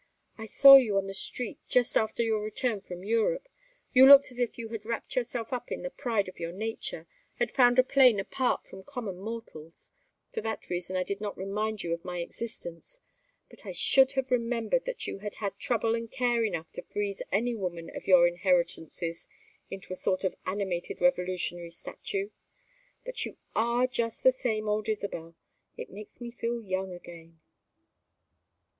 I saw you on the street just after your return from Europe you looked as if you had wrapped yourself up in the pride of your nature had found a plane apart from common mortals. For that reason I did not remind you of my existence. But I should have remembered that you had had trouble and care enough to freeze any woman of your inheritances into a sort of animated Revolutionary statue. But you are just the same old Isabel. It makes me feel young again."